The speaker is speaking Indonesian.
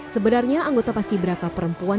sebenarnya anggota paski beraka perempuan